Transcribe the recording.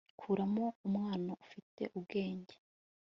kuramo umwana ufite ubwenge